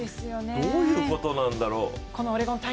どういうことなんだろう。